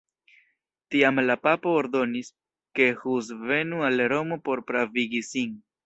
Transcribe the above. Tiam la papo ordonis, ke Hus venu al Romo por pravigi sin.